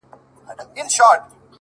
• سیاه پوسي ده؛ قندهار نه دی؛